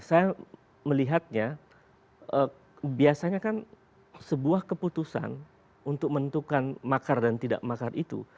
saya melihatnya biasanya kan sebuah keputusan untuk menentukan makar dan tidak makar itu